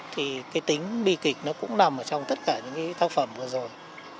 thì cái tính bi kịch nó cũng nằm ở trong tất cả những tác phẩm vừa rồi